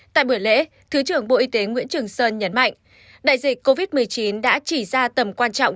tại buổi lễ thứ trưởng bộ y tế nguyễn trường sơn nhấn mạnh đại dịch covid một mươi chín đã chỉ ra tầm quan trọng